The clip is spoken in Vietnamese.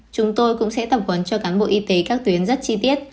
chúng tôi cũng sẽ tập huấn cho cán bộ y tế các tuyến rất chi tiết